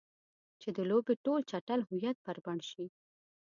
چې د لوبې ټول چټل هویت بربنډ شي.